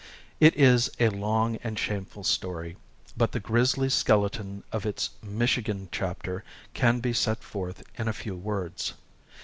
It is a long and shameful story, but the grisly skeleton of its Michigan chapter can be set forth in a few words.